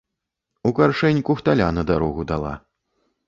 У каршэнь кухталя на дарогу дала.